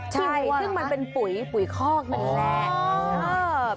ใช่ซึ่งมันเป็นปุ๋ยปุ๋ยคอกนี่แหละ